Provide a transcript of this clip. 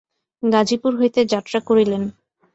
গাজিপুর হইতে যাত্রা করিলেন।